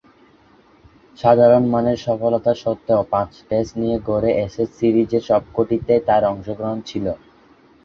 সাধারণমানের সফলতা স্বত্ত্বেও পাঁচ-টেস্ট নিয়ে গড়া অ্যাশেজ সিরিজের সবকটিতেই তার অংশগ্রহণ ছিল।